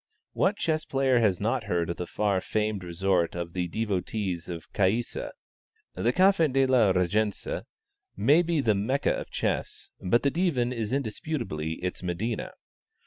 What chess player has not heard of the far famed resort of the devotees of Caïssa? The Café de la Régence may be the Mecca of chess, but the Divan is indisputably its Medina.